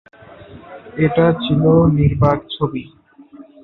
এটি ছিলো নির্বাক ছবি।